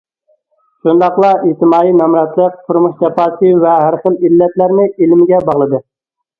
شۇنداقلا ئىجتىمائىي نامراتلىق، تۇرمۇش جاپاسى ۋە ھەر خىل ئىللەتلەرنى ئىلىمگە باغلىدى.